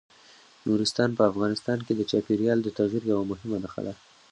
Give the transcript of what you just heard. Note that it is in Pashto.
نورستان په افغانستان کې د چاپېریال د تغیر یوه مهمه نښه ده.